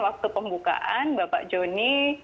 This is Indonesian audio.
waktu pembukaan bapak joni